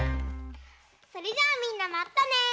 それじゃあみんなまたね！